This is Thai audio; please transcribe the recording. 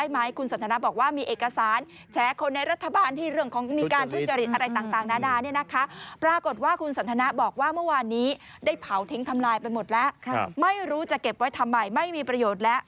ไม่รู้จะเก็บไว้ทำไมไม่มีประโยชน์แล้ว